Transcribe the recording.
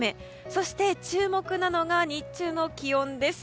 そして、注目なのが日中の気温です。